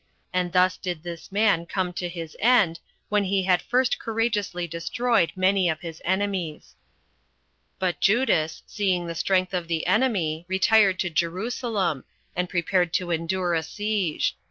And thus did this man come to his end, when he had first courageously destroyed many of his enemies. 5. But Judas, seeing the strength of the enemy, retired to Jerusalem, and prepared to endure a siege.